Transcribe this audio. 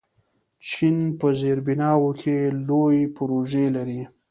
چین په زیربناوو کې لوی پروژې لري.